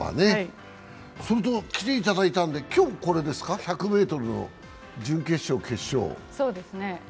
それと来ていただいたんで今日、１００ｍの準決勝、決勝。